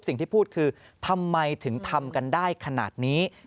สิ่งที่พูดคือทำไมถึงทำกันได้ขนาดนี้